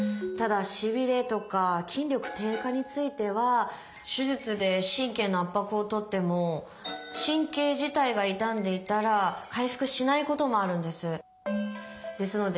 ただしびれとか筋力低下については手術で神経の圧迫を取っても神経自体が傷んでいたら回復しないこともあるんです。